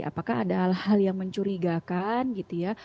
apakah ada hal hal yang mencurigakan gitu ya